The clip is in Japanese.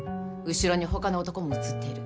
後ろに他の男も写っている。